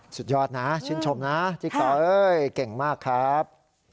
สุดยอดนะชื่นชมนะจิ๊กกอ้ยเก่งมากครับ